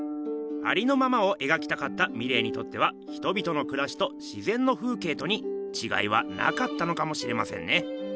ありのままを描きたかったミレーにとっては人々のくらしとしぜんの風景とにちがいはなかったのかもしれませんね。